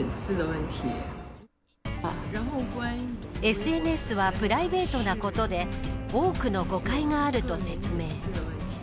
ＳＮＳはプライベートなことで多くの誤解があると説明。